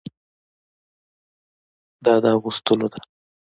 دا د اغوستلو ده.